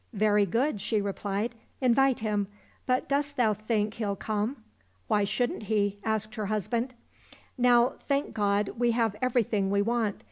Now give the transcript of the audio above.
—" Very good," she replied ;" invite him, but dost thou think he'll come ?"—" Why shouldn't he }" asked her husband. " Now, thank God, we have everything we want.